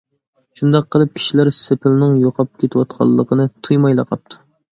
شۇنداق قىلىپ كىشىلەر سېپىلنىڭ يوقاپ كېتىۋاتقانلىقىنى تۇيمايلا قاپتۇ.